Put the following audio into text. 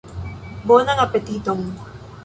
Bonan apetiton!